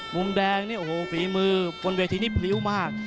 มุมแดงนี่โอ้โหฝีมือบนเวทีนี้พริ้วมาก